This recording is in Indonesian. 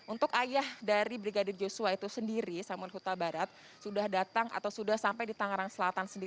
untuk ayah dari brigadir yosua itu sendiri samuel huta barat sudah datang atau sudah sampai di tanggal ini